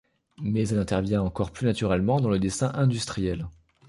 Mais elle intervient encore plus naturellement dans le dessin industriel.